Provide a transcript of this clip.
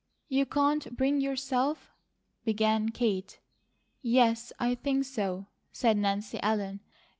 "You can't bring yourself ?" began Kate. "Yes, I think so," said Nancy Ellen.